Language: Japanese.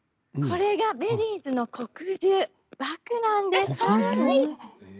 これがベリーズの国獣バクなんです。